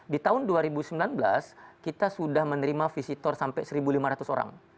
di tahun dua ribu sembilan belas kita sudah menerima visitor sampai satu lima ratus orang